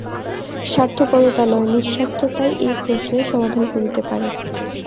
স্বার্থপরতা নয়, নিঃস্বার্থতাই এই প্রশ্নের সমাধান করিতে পারে।